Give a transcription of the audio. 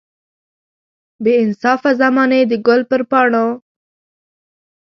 بې انصافه زمانې د ګل پر پاڼو.